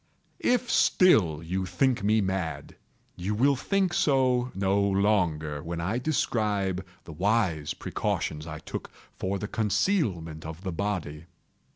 If still you think me mad, you will think so no longer when I describe the wise precautions I took for the concealment of the body.